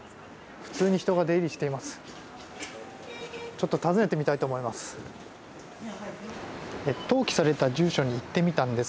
普通に人が出入りしています。